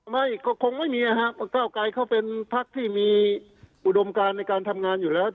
ไม่ก็คงไม่มีนะครับก้าวไกรเขาเป็นพักที่มีอุดมการในการทำงานอยู่แล้ว